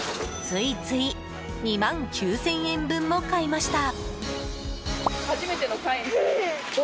ついつい２万９０００円分も買いました。